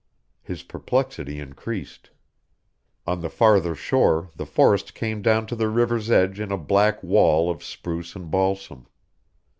His perplexity increased. On the farther shore the forest came down to the river's edge in a black wall of spruce and balsam.